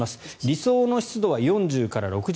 理想の湿度は４０から６０％。